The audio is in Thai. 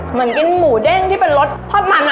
เหมือนกินหมูเด้งที่เป็นรสทอดมัน